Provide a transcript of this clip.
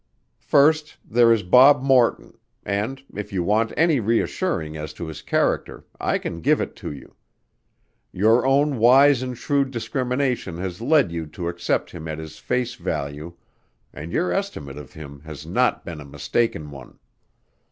First there is Bob Morton, and if you want any reassuring as to his character, I can give it to you. Your own wise and shrewd discrimination has led you to accept him at his face value and your estimate of him has not been a mistaken one.